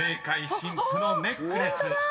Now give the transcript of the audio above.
「新婦のネックレス」］